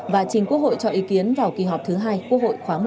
và chính quốc hội cho ý kiến vào kỳ họp thứ hai quốc hội khoáng một mươi năm